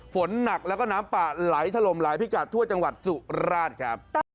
ฝนหนักแล้วก็น้ำป่าไหลถล่มหลายพิกัดทั่วจังหวัดสุราชครับ